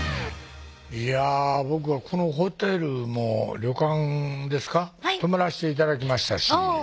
いや僕はこのホテルも旅館ですか泊まらして頂きましたし